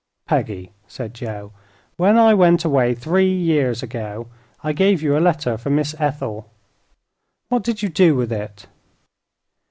"Peggy," said Joe, "when I went away, three years ago, I gave you a letter for Miss Ethel. What did you do with it?"